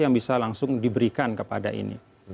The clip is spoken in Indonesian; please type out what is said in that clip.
yang bisa langsung diberikan kepada ini